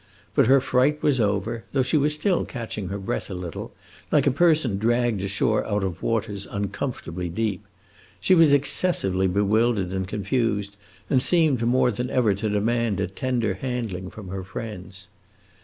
But her fright was over, though she was still catching her breath a little, like a person dragged ashore out of waters uncomfortably deep. She was excessively bewildered and confused, and seemed more than ever to demand a tender handling from her friends.